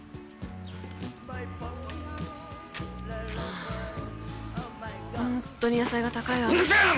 あホントに野菜が高いわねうるせえな